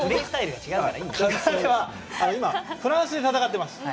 今、フランスで戦っています。